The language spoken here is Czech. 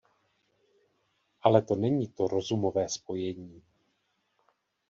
Ale to není to rozumové spojení.